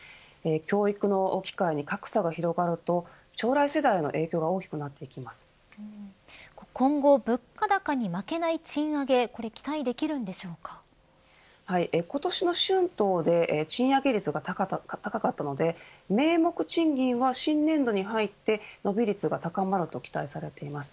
教育の機会に格差が広がると、将来世代の今後、物価高に負けない賃上げ今年の春闘で賃上げ率が高かったので名目賃金は、新年度に入って伸び率が高まると期待されています。